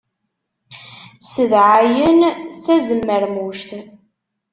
Ssedɛɛayen tazemmermuct.